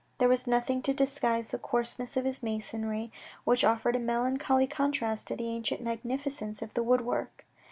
There was nothing to disguise the coarseness of this masonry, which offered a melancholy contrast to the ancient magnificence of the woodwork.